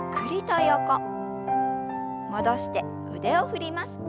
戻して腕を振ります。